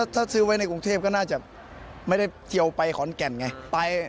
ถ้าซื้อไว้ในกรุงเทพก็น่าจะไม่ได้เจียวไปขอนแก่นไง